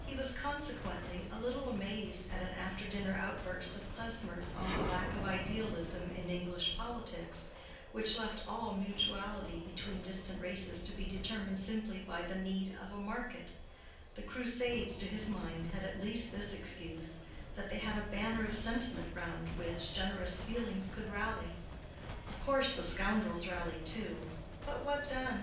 He was consequently a little amazed at an after dinner outburst of Klesmer's on the lack of idealism in English politics, which left all mutuality between distant races to be determined simply by the need of a market; the crusades, to his mind, had at least this excuse, that they had a banner of sentiment round which generous feelings could rally: of course, the scoundrels rallied too, but what then?